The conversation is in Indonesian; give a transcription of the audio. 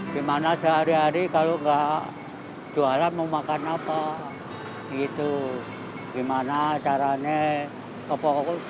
gimana sehari hari kalau enggak jualan mau makan apa gitu gimana caranya ke pokok